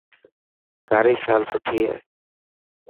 ڪاري شال سٺي هي.